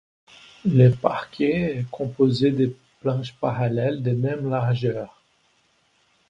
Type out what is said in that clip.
Le parquet est composé de planches parallèles de même largeur.